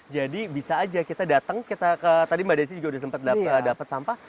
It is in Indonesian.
jadi bisa aja kita datang tadi mbak desi juga udah sempat dapat sampah